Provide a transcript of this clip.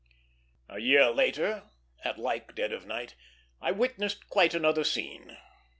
A year later, at like dead of night, I witnessed quite another scene.